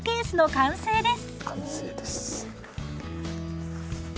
完成です。